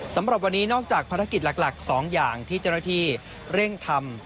สำหรับวันนี้นอกจากภารกิจหลัก๒อย่างที่เจ้าหน้าที่เร่งทำ